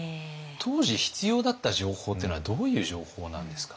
当時必要だった情報っていうのはどういう情報なんですかね。